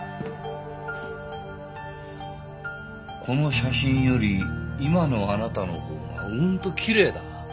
この写真より今のあなたのほうがうんときれいだ。